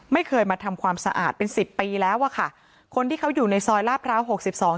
ไม่เคยมาทำความสะอาดเป็นสิบปีแล้วอ่ะค่ะคนที่เขาอยู่ในซอยลาดพร้าวหกสิบสอง